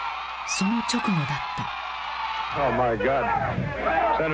その直後だった。